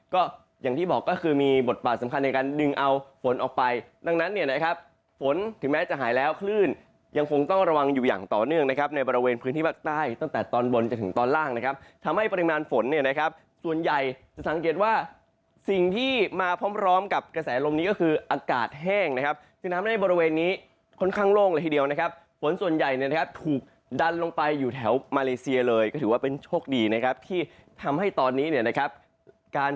ก็อย่างที่บอกก็คือมีบทบาทสำคัญในการดึงเอาฝนออกไปดังนั้นเนี่ยนะครับฝนถึงแม้จะหายแล้วคลื่นยังคงต้องระวังอยู่อย่างต่อเนื่องนะครับในบริเวณพื้นที่ภาคใต้ตั้งแต่ตอนบนจะถึงตอนล่างนะครับทำให้ปริมาณฝนเนี่ยนะครับส่วนใหญ่จะสังเกตว่าสิ่งที่มาพร้อมกับกระแสลมนี้ก็คืออากาศแห้งนะครั